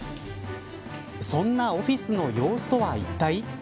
そんなオフィスの様子とはいったい。